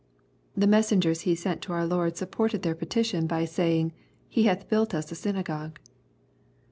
The messen gers he sent to our Lord supported their petition by saying, " He hath built us a synagogue."